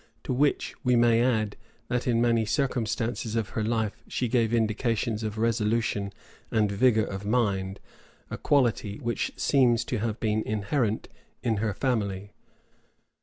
To which we may add, that in many circumstances of her life she gave indications of resolution and vigor of mind, a quality which seems to have been inherent in her family.